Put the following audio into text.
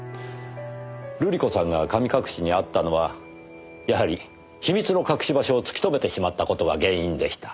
瑠璃子さんが神隠しにあったのはやはり秘密の隠し場所を突き止めてしまった事が原因でした。